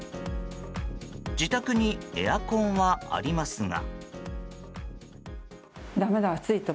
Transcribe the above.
自宅にエアコンはありますが。